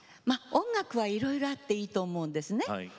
音楽はいろいろあっていいと思うんですね。